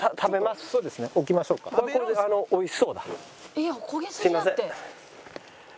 「いや焦げすぎだって」